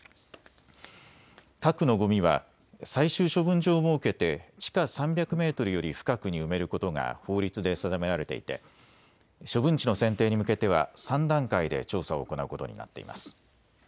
核のごみは最終処分場を設けて地下３００メートルより深くに埋めることが法律で定められていて処分地の選定に向けては３段階で調査を行うことになっています。